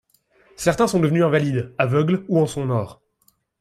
Certains sont devenus invalides, aveugles ou en sont morts.